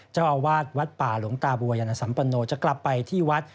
เจ้าอาวาสวัดป่าหลวงตาบัวยานสัมปโนจะกลับไปที่วัด